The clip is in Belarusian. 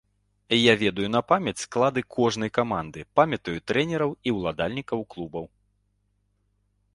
Я ведаю на памяць склады кожнай каманды, памятаю трэнераў і ўладальнікаў клубаў.